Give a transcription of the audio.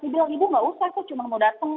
mereka bilang ibu nggak usah saya cuma mau datang